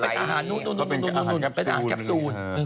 เป็นอาหารกับซูน